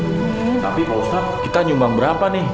tapi kalau ustadz kita nyumbang berapa nih